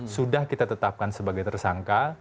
sudah kita tetapkan sebagai tersangka